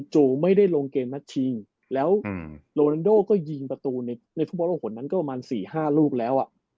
จู่ไม่ได้ลงเกณฑ์น่ะจริงแล้วโรนันโด่ก็ยิงประตูในทุกประหวนนั้นก็ประมาณ๔๕ลูกแล้ว